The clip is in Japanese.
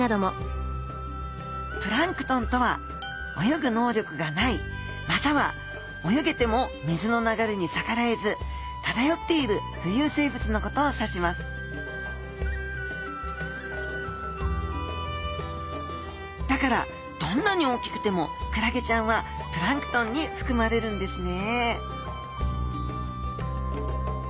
プランクトンとは泳ぐ能力がないまたは泳げても水の流れに逆らえず漂っている浮遊生物のことを指しますだからどんなに大きくてもクラゲちゃんはプランクトンにふくまれるんですね